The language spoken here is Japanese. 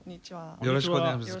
よろしくお願いします。